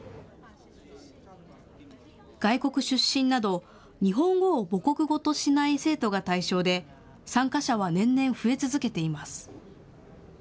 外国出身など日本語を母国語としない生徒が対象で参加者は年々増え続けています。